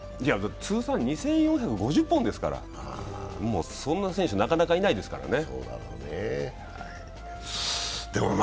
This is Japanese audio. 通算２４５０本ですから、そんな選手なかなかいないですからね。